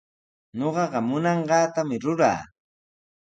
Ñuqaqa munanqaatami ruraa.